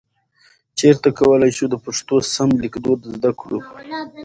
چیرته کولای شو د پښتو سم لیکدود زده کړو؟